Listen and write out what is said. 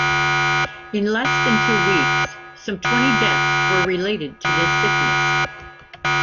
In less than two weeks, some twenty deaths were related to this sickness.